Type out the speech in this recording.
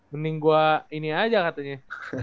mending gua ini aja katanya